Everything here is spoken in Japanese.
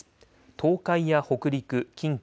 東海や北陸、近畿